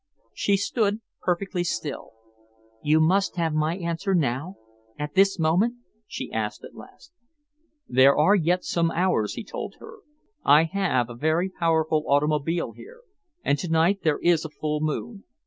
She stood perfectly still. "You must have my answer now, at this moment?" she asked at last. "There are yet some hours," he told her. "I have a very powerful automobile here, and to night there is a full moon.